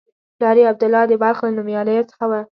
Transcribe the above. پلار یې عبدالله د بلخ له نومیالیو څخه و.